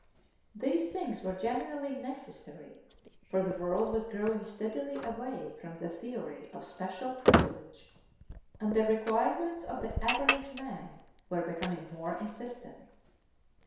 These things were genuinely necessary, for the world was growing steadily away from the theory of special privilege, and the requirements of the average man were becoming more insistent.